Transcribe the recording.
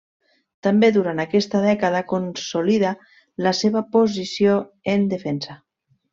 També durant aquesta dècada consolida la seva posició en Defensa.